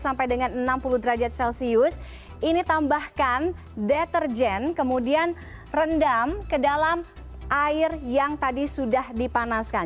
sampai dengan enam puluh derajat celcius ini tambahkan deterjen kemudian rendam ke dalam air yang tadi sudah dipanaskan